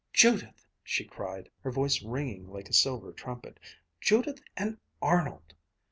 "Judith!" she cried, her voice ringing like a silver trumpet, "Judith and Arnold!"